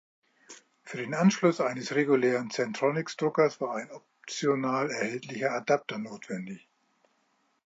Für den Anschluss eines regulären Centronics-Druckers war ein optional erhältlicher Adapter notwendig.